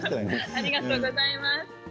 ありがとうございます。